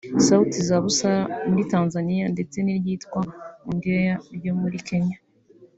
Sauti Za Busara muri Tanzania ndetse n’iryitwa Ongea ryo muri Kenya